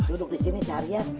duduk disini seharian